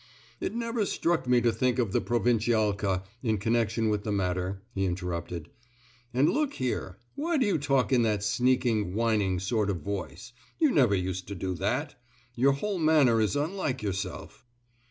"It never struck me to think of 'The Provincialka' in connection with the matter," he interrupted. "And look here, why do you talk in that sneaking, whining sort of voice? You never used to do that. Your whole manner is unlike yourself."